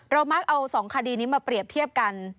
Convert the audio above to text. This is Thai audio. มักเอา๒คดีนี้มาเปรียบเทียบกัน